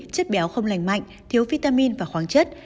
chất béo không lành mạnh thiếu vitamin và khoáng chất